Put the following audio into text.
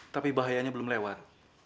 tapi bahayanya belum lewat